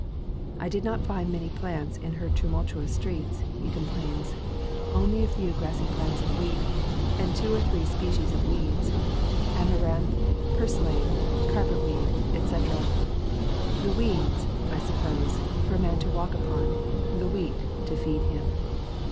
"I did not find many plants in her tu multuous streets," he complains; "only a few grassy plants of wheat, and two or three species of weeds, — amaranth, purslane, carpet weed, etc., — the weeds, I suppose, for man to walk upon, the wheat to feed him.